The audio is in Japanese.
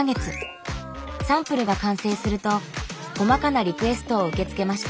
サンプルが完成すると細かなリクエストを受け付けました。